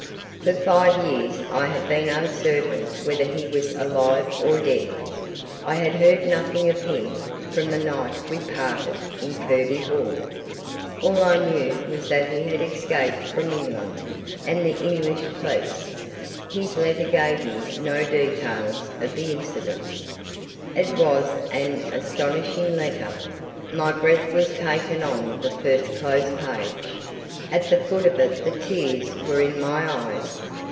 For five years I had been uncertain whether he was alive or dead. I had heard nothing of him from the night we parted in Kirby Hall. All I knew was that he had escaped from England and the English police; his letter gave no details of the incident. It was an astonishing letter; my breath was taken on the first close page; at the foot of it the tears were in my eyes.